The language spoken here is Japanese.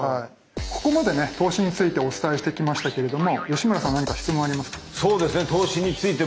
ここまでね投資についてお伝えしてきましたけれども吉村さん何か質問ありますか？